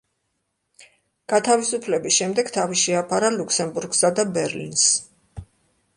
გათავისუფლების შემდეგ თავი შეაფარა ლუქსემბურგსა და ბერლინს.